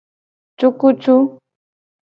Cukucu.